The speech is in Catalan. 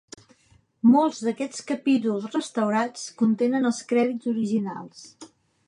Molts d'aquests capítols restaurats contenen els crèdits originals.